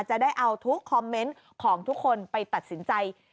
จะได้เอาทุกคอมเมนต์ของทุกคนไปตัดสินใจ